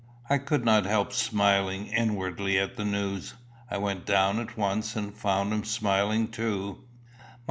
I could not help smiling inwardly at the news. I went down at once, and found him smiling too.